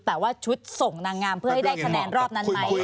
แต่ว่าชุดส่งนางงามเพื่อให้ได้คะแนนรอบนั้นไหม